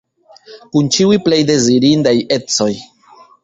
Kun ĉiuj plej dezirindaj ecoj.